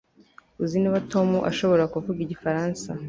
Uzi niba Tom ashobora kuvuga igifaransa